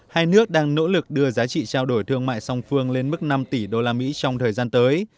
hai nước đang nỗ lực đưa giá trị trao đổi thương mại song phương lên mức năm tỷ usd trong thời gian tới